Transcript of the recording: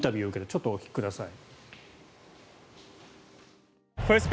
ちょっとお聞きください。